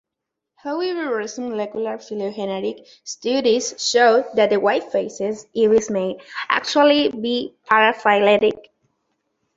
However, recent molecular phylogenetic studies show that the white-faced ibis may actually be paraphyletic.